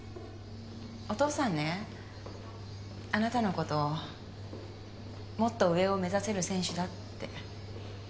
お父さんねあなたのこと「もっと上を目指せる選手だ」って。